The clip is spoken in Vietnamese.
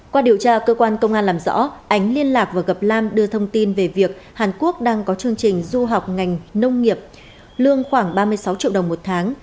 qua điều tra cơ quan công an làm rõ ánh liên lạc và gặp lam đưa thông tin về việc hàn quốc đang có chương trình du học ngành nông nghiệp lương khoảng ba mươi sáu triệu đồng một tháng